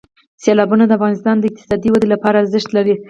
سیلابونه د افغانستان د اقتصادي ودې لپاره ارزښت لري.